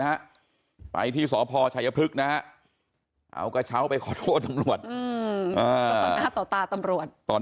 นะไปที่สพชัยพฤกษ์นะเอากระเช้าไปขอโทษต่อต่อตาตำรวจต่อ